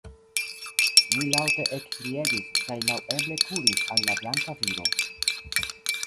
Ni laŭte ekkriegis, kaj laŭeble kuris al la blanka viro.